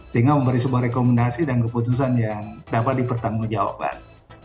sehingga memberi sebuah rekomendasi dan keputusan yang dapat dipertanggungjawabkan